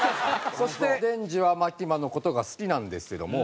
そしてデンジはマキマの事が好きなんですけども。